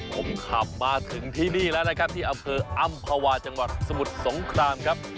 ผมขับมาถึงที่นี่แล้วนะครับที่อำเภออำภาวาจังหวัดสมุทรสงครามครับ